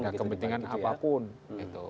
tidak ada kepentingan apapun gitu